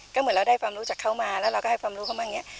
ก็เหมือนเราได้ความรู้จากเขามาแล้วเราก็ให้ความรู้เข้ามาอย่างนี้